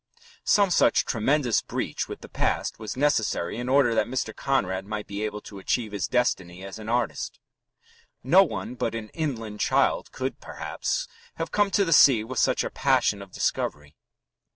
Some such tremendous breach with the past was necessary in order that Mr. Conrad might be able to achieve his destiny as an artist. No one but an inland child could, perhaps, have come to the sea with such a passion of discovery.